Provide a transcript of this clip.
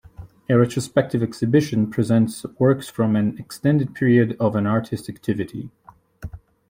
A retrospective exhibition presents works from an extended period of an artist's activity.